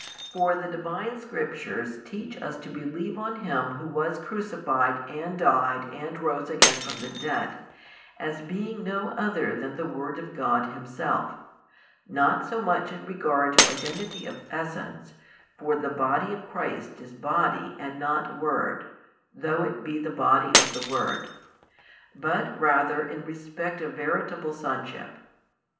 For the Divine Scriptures teach us to believe on Him Who was crucified and died and rose again from the dead, as being no other than the Word of God Himself; not so much in regard to identity of essence, for the body of Christ is body and not Word, though it be the body of the Word; but rather in respect of veritable sonship.